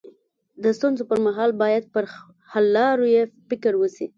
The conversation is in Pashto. د ستونزي پر مهال باید پر حل لارو يې فکر وسي.